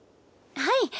はい。